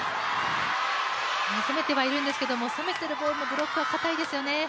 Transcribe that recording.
攻めてはいるんですけれども、攻めてるボールのブロックはかたいですよね。